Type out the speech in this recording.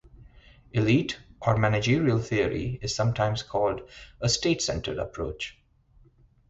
Elite or managerial theory is sometimes called a state-centered approach.